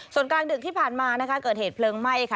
ส่วนกลางดึกที่ผ่านมานะคะเกิดเหตุเพลิงไหม้ค่ะ